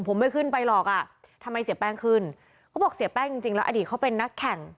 ผมไม่ขึ้นไปหรอกอ่ะทำไมเสียแป้งขึ้นเขาบอกเสียแป้งจริงจริงแล้วอดีตเขาเป็นนักแข่ง